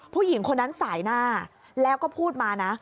ผู้หญิงคนนั้นสายหน้าแล้วก็พูดมานะ